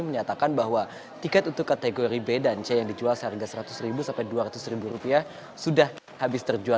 menyatakan bahwa tiket untuk kategori b dan c yang dijual seharga seratus ribu sampai dua ratus rupiah sudah habis terjual